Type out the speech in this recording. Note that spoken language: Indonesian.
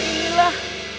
karena semua inilah